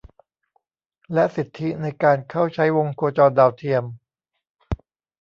และสิทธิในการเข้าใช้วงโคจรดาวเทียม